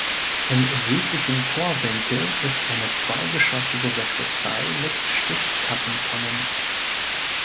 Im südlichen Chorwinkel ist eine zweigeschoßige Sakristei mit Stichkappentonnen.